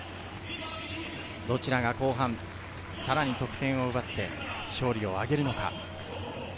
どちらが後半、さらに得点を奪って勝利を挙げるのか。